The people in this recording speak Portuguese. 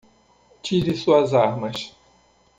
Tire suas armas.